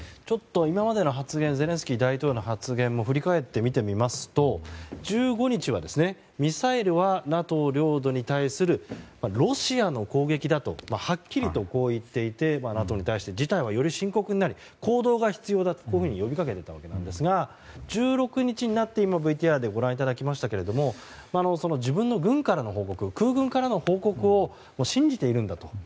今までのゼレンスキー大統領の発言を振り返って見てみますと１５日はミサイルはＮＡＴＯ領土に対するロシアの攻撃だとはっきりと言っていてＮＡＴＯに対して事態はより深刻になり行動が必要だと呼びかけていたんですが１６日になってＶＴＲでご覧いただきましたが自分の軍からの報告空軍からの報告を信じているんだと。